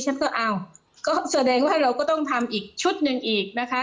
ฉันก็เอาก็แสดงว่าเราก็ต้องทำอีกชุดหนึ่งอีกนะคะ